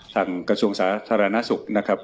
กระทรวงสาธารณสุขนะครับ